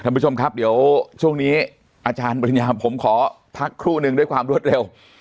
ท่านผู้ชมครับเดี๋ยวช่วงนี้อาจารย์ปริญญาผมขอพักครู่นึงด้วยความรวดเร็ว